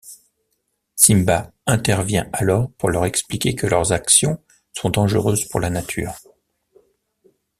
Simba intervient alors pour leur expliquer que leurs actions sont dangereuses pour la nature.